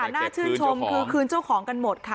น่าชื่นชมคือคืนเจ้าของกันหมดค่ะ